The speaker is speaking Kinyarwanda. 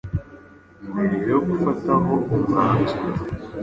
mbere yo kugafataho umanzuro.